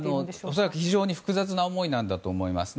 恐らく非常に複雑な思いだと思います。